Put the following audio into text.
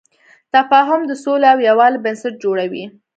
تفاهم د سولې او یووالي بنسټ جوړوي.